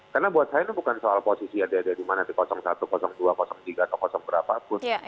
karena buat saya ini bukan soal posisi ada ada di mana di satu dua tiga atau kosong berapapun